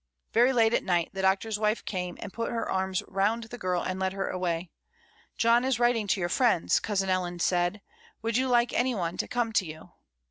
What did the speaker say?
Very late at night the Doctor's wife came, and put her arms round the girl and led her away. "John is writing to your friends," cousin Ellen said; "would you like any one to come to you?"